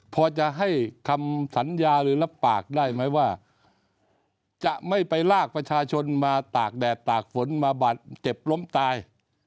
พอจะให้คำสัญญาหรือรับปากได้ไหมว่าจะไม่ไปลากประชาชนมาตากแดดตากฝนมาบาดเจ็บล้มตาย